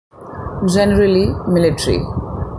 Generally military.